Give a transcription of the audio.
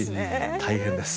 大変です。